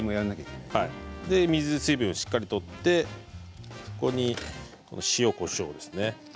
水分をしっかり取ってここに塩、こしょうです。